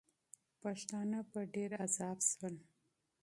پښتانه په ډېر عذاب سول.